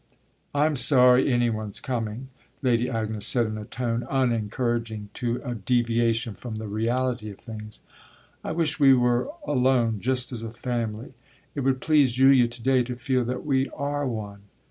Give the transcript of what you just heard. "I'm sorry any one's coming," Lady Agnes said in a tone unencouraging to a deviation from the reality of things. "I wish we were alone just as a family. It would please Julia to day to feel that we are one.